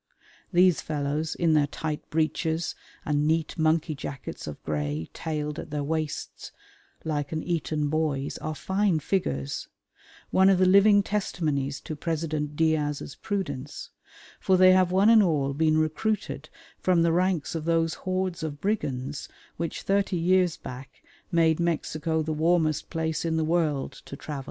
These fellows, in their tight breeches and neat monkey jackets of grey tailed at their waists like an Eton boy's, are fine figures, one of the living testimonies to President Diaz's prudence; for they have one and all been recruited from the ranks of those hordes of brigands which thirty years back made Mexico the warmest place in the world to travel in.